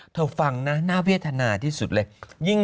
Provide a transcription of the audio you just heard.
เธอฟังนะน่าเวียดทนาที่สุดเลย